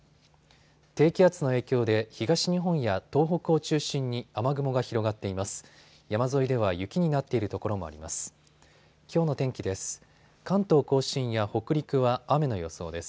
低気圧の影響で東日本や東北を中心に雨雲が広がっています。